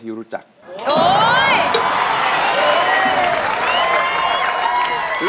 ตัดสินใจให้ดี